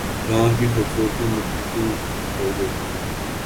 یہاں کی خوبصورتی مٹی ہو گئی